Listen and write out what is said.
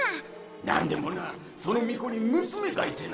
なんでもなその巫女に娘がいてな。